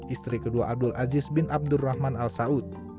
istri kedua abdul aziz bin abdul rahman al saud